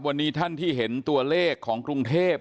วันนี้ท่านที่เห็นตัวเลขของกรุงเทพ